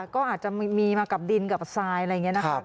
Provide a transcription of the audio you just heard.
ก็อาจจะมีมากับดินกับทรายอะไรอย่างนี้นะครับ